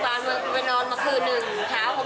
แต่ว่าแม่เด็กอยู่สมุทรสาคร